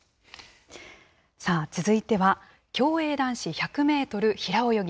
さあ、続いては競泳男子１００メートル平泳ぎ。